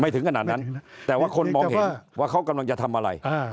ถึงขนาดนั้นแต่ว่าคนมองเห็นว่าเขากำลังจะทำอะไร